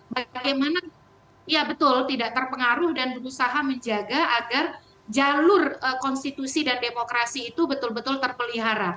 bagaimana ya betul tidak terpengaruh dan berusaha menjaga agar jalur konstitusi dan demokrasi itu betul betul terpelihara